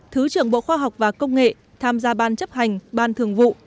thứ trưởng bộ khoa học và công nghệ tham gia ban chấp hành ban thường vụ